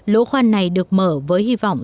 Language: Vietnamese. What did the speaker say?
lỗ khoan này được mở với hy vọng